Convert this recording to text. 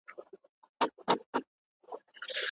کارګران د رخصتۍ قانوني حق لري.